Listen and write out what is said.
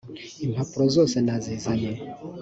impapuro zose nazizanye .